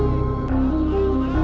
tidak ada yang tahu